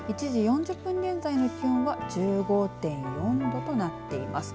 １時４０分現在の気温は１５．４度となっています。